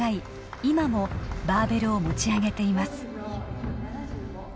今もバーベルを持ち上げています